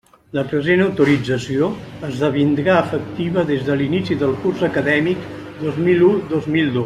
La present autorització esdevindrà efectiva des de l'inici del curs acadèmic dos mil u dos mil dos.